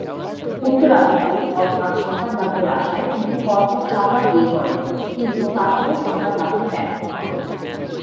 উত্তরাধিকারী অর্থ্যাৎ সন্তান লাভের আশায় তিনি পরপর চারবার বিয়ে করেন কিন্তু তারপরেও সন্তান লাভে ব্যর্থ হন।